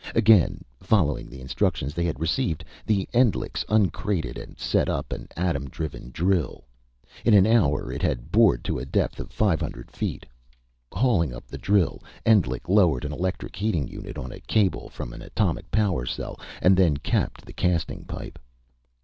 Again, following the instructions they had received, the Endlichs uncrated and set up an atom driven drill. In an hour it had bored to a depth of five hundred feet. Hauling up the drill, Endlich lowered an electric heating unit on a cable from an atomic power cell, and then capped the casing pipe.